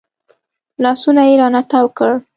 لاسونه يې رانه تاو کړل.